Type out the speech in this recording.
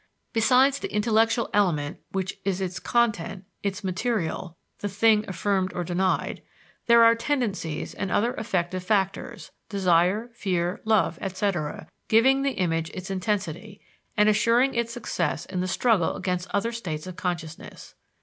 Besides the intellectual element which is its content, its material the thing affirmed or denied there are tendencies and other affective factors (desire, fear, love, etc.) giving the image its intensity, and assuring it success in the struggle against other states of consciousness.